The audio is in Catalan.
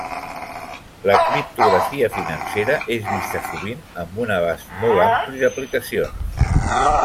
La criptografia financera és vista sovint amb un abast molt ampli d'aplicacions.